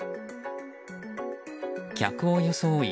客を装い